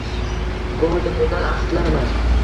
Gohida bundan afsuslanaman